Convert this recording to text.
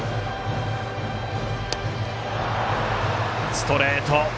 ストレート！